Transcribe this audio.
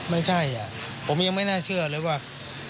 ไม่ใช่ผมยังไม่น่าเชื่อเลยว่า